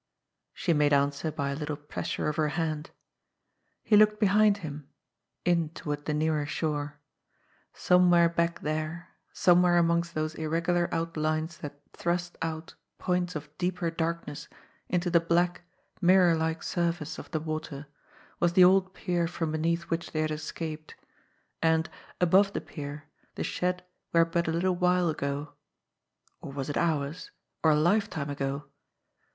She made answer by a little pressure of her hand. He looked behind him in toward the nearer shore. Some where back there, somewhere amongst those irregular out lines that thrust out points of deeper darkness into the black, mirror like surface of the water, was the old pier from beneath which they had escaped, and, above the pier, the shed where but a little while ago or was it hours, or a life time ago?